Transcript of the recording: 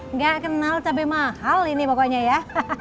nggak kenal cabai mahal ini pokoknya ya